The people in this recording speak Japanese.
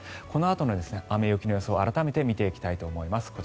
このあとの雨、雪の予想を改めて見ていきたいと思います。